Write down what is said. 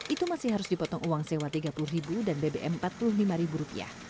itu masih harus dipotong uang sewa tiga puluh ribu dan bbm empat puluh lima ribu rupiah